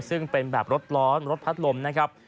ซึ่งเป็นแบบรถร้อนรถพัดลมนะครับ